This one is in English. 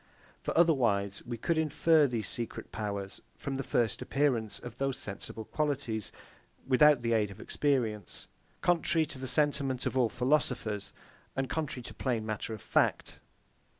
For otherwise we could infer these secret powers from the first appearance of these sensible qualities, without the aid of experience; contrary to the sentiment of all philosophers, and contrary to plain matter of fact.